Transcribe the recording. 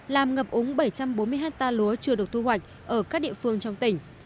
làm ngập úng bảy trăm bốn mươi hectare lúa chưa được thu hoạch ở các địa phương trong tỉnh